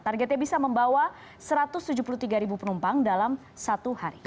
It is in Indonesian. targetnya bisa membawa satu ratus tujuh puluh tiga penumpang dalam satu hari